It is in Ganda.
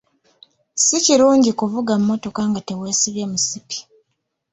Si kirungi kuvuga mmotoka nga teweesibye musipi.